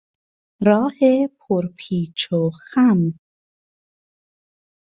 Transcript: راه پرپیچ و خم